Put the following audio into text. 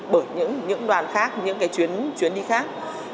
bởi những đoàn khác những chuyến đi khác